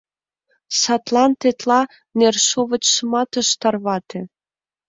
Садлан тетла нершовычшымат ыш тарвате.